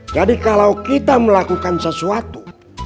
jadi kalau kita melakukan sesuatu